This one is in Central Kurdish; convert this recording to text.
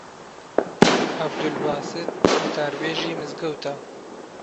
عەبدولباست وتاربێژی مزگەوتە